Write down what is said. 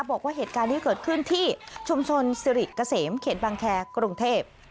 บอกว่าเหตุการณ์ที่เกิดขึ้นที่ชุมชนสิริเกษมเขตบางแคร์กรุงเทพ